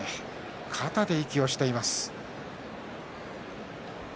肩で息をしています。